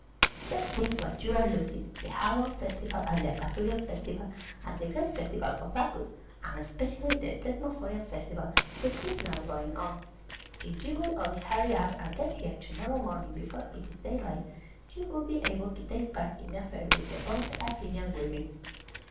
Just think what you are losing, the Haloan Festival and the Apaturian Festival, and the Great Festival of Bacchus, and especially the Thesmophorian Festival, which is now going on. If you would only hurry up, and get here to morrow morning before it is daylight, you would be able to take part in the affair with the other Athenian women.